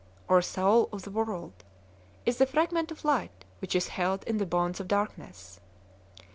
" soul of the world," is the fragment of light which is held in the bonds of darkness.